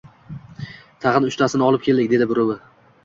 — Tag‘in uchtasini olib keldik, — dedi birovi.